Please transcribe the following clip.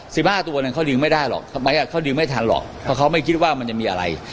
สิบห้าตัวนั้นเขาดึงไม่ได้หรอกทำไมอ่ะเขาดึงไม่ทันหรอกเพราะเขาไม่คิดว่ามันจะมีอะไร